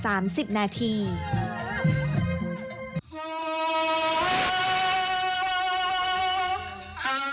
ธรรมเนียมปฏิบัติที่สืบท่อต่อกันมา